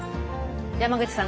山口さん